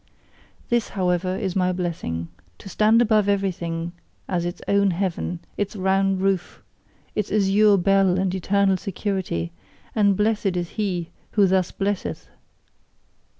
This, however, is my blessing: to stand above everything as its own heaven, its round roof, its azure bell and eternal security: and blessed is he who thus blesseth!